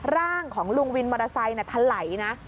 ร่างของลุงวินมอเตอร์ไซค์ทะไหลนะ